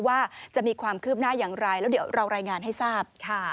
ว่าจะมีความคืบหน้าอย่างไรแล้วเดี๋ยวเรารายงานให้ทราบ